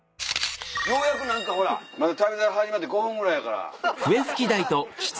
ようやく何かほらまだ『旅猿』始まって５分ぐらいやから。